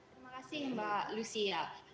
terima kasih mbak lucia